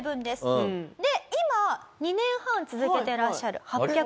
で今２年半続けていらっしゃる。